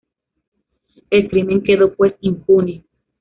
El crimen quedó pues impune.